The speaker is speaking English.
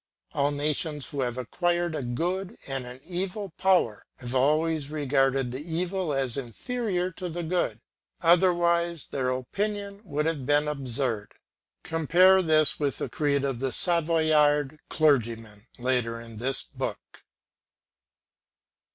All nations who have acknowledged a good and an evil power, have always regarded the evil as inferior to the good; otherwise their opinion would have been absurd. Compare this with the creed of the Savoyard clergyman later on in this book.